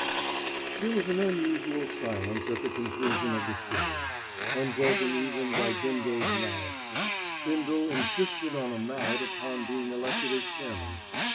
There was an unusual silence at the conclusion of the story, unbroken even by Bindle's mallet. Bindle insisted on a mallet upon being elected as chairman.